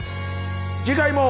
次回も。